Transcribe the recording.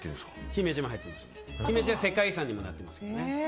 姫路は世界遺産にもなっています。